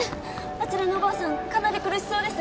あちらのおばあさんかなり苦しそうです